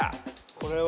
これは。